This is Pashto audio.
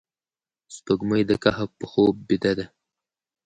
سپوږمۍ د کهف په خوب بیده ده